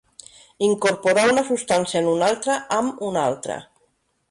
Incorporar una substància en una altra, amb una altra.